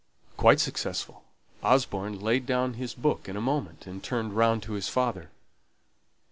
Quite successful. Osborne laid down his book in a moment, and turned round to his father.